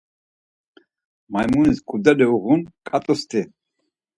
Maymunis ǩudeli uğun, ǩat̆usti.